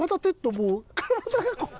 もう体がこう。